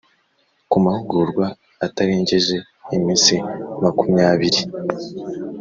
Ku mahugurwa atarengeje iminsi makumyabiri